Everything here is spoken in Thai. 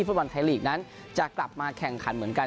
ฟุตบอลไทยลีกนั้นจะกลับมาแข่งขันเหมือนกัน